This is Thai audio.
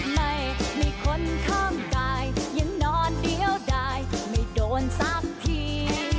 ไม่มีคนข้างกายยังนอนเดียวได้ไม่โดนสักที